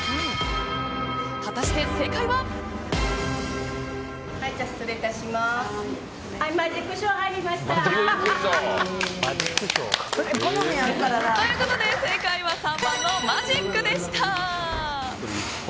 果たして正解は。ということで正解は３番のマジックでした。